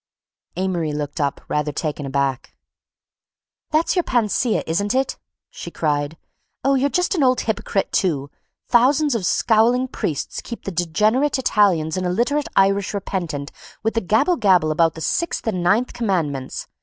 Amory looked up, rather taken aback. "That's your panacea, isn't it?" she cried. "Oh, you're just an old hypocrite, too. Thousands of scowling priests keeping the degenerate Italians and illiterate Irish repentant with gabble gabble about the sixth and ninth commandments.